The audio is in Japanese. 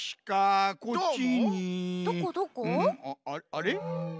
あれ？